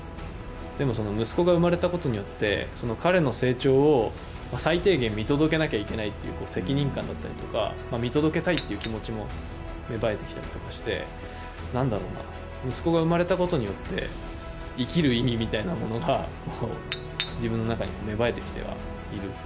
でも息子が生まれたことによって彼の成長を最低限、見届けなきゃいけない責任感だったりとか見届けたいという気持ちも芽生えてきたりとかして息子が生まれたことによって生きる意味みたいなものが自分の中に芽生えてきてはいる。